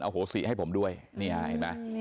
โอ้โหสิให้ผมด้วย